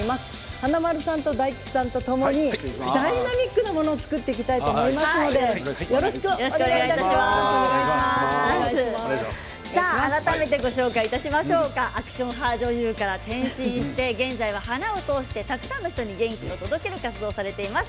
華丸さんと大吉さんとともにダイナミックなものを作ってみたいと思いますのでよろしくアクション派女優から転身して現在は花を通してたくさんの人に元気を届ける活動をされています